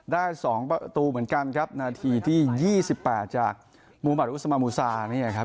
ได้๒ประตูเหมือนกันครับนาทีที่๒๘จากมุมัดอุสมามูซา